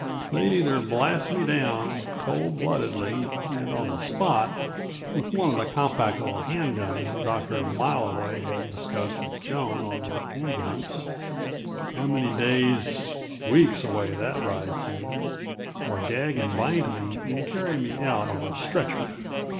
They'd either blast me down, cold bloodedly and on the spot, with one of the compact little hand guns Doctor Mile Away had discussed with Joan on the ambulance how many days, weeks away that ride seemed or gag and bind me and carry me out on a stretcher.